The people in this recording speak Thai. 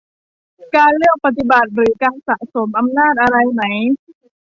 การเลือกปฏิบัติ หรือการสะสมอำนาจอะไรไหม